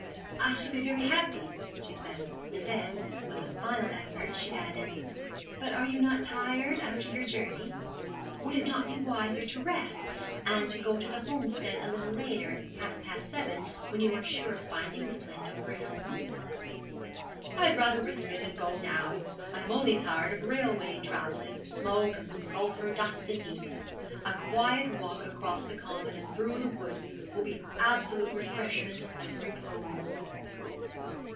'I shall be very happy,' she said, and then, with a final effort, she added, 'but are you not tired after your journey? Would it not be wiser to rest, and go to the Homestead a little later, at half past seven, when you are sure of finding Miss Wendover at home?' 'I had rather risk it, and go now. I am only tired of railway travelling, smoke and sulphur, dust and heat. A quiet walk across the common and through the wood will be absolute refreshment and repose.'